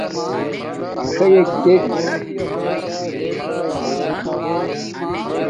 اشݳئݣ دݵک.